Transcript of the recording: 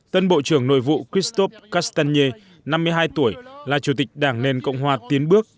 tân bộ trưởng nội vụ kystov kastanbe năm mươi hai tuổi là chủ tịch đảng nền cộng hòa tiến bước